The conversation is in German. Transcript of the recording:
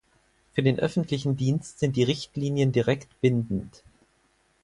Für den öffentlichen Dienst sind die Richtlinien direkt bindend.